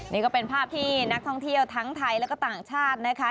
นี่ก็เป็นภาพที่นักท่องเที่ยวทั้งไทยแล้วก็ต่างชาตินะคะ